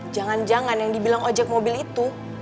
jangan jangan yang dibilang ojek mobil itu